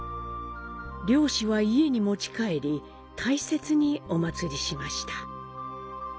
漁師は家に持ち帰り大切にお祀りしました。